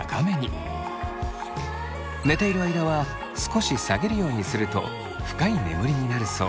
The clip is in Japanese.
寝ている間は少し下げるようにすると深い眠りになるそう。